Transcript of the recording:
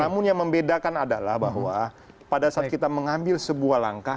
namun yang membedakan adalah bahwa pada saat kita mengambil sebuah langkah